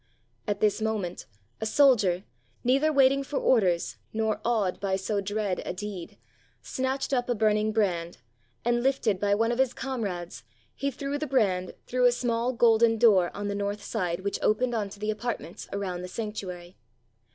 At this moment a soldier, neither waiting for orders nor awed by so dread a deed, snatched up a burning brand, and, lifted by one of his comrades, he threw the 600 THE BURNING OF THE TEMPLE brand through a small golden door on the north side which opened on the apartments around the sanctuary.